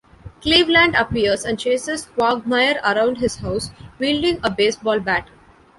Cleveland appears and chases Quagmire around his house wielding a baseball bat.